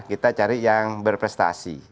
kita cari yang berprestasi